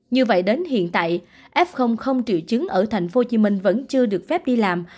như vậy đến hiện tại f không triệu chứng ở tp hcm vẫn chưa được phép đi làm